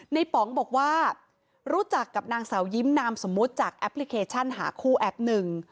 ป๋องบอกว่ารู้จักกับนางสาวยิ้มนามสมมุติจากแอปพลิเคชันหาคู่แอปหนึ่ง